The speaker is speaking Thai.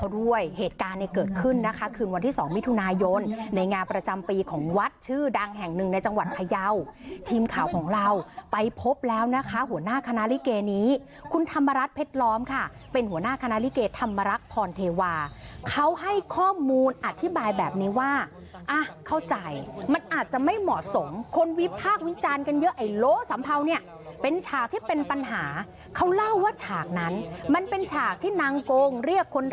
ด้วยเหตุการณ์ในเกิดขึ้นนะคะคืนวันที่สองมิถุนายนในงานประจำปีของวัดชื่อดังแห่งหนึ่งในจังหวัดพยาวทีมข่าวของเราไปพบแล้วนะคะหัวหน้าคณะลิเกย์นี้คุณธรรมรัฐเพชรล้อมค่ะเป็นหัวหน้าคณะลิเกย์ธรรมรัฐพรเทวาเขาให้ข้อมูลอธิบายแบบนี้ว่าอ่ะเข้าใจมันอาจจะไม่เหมาะสมคนวิ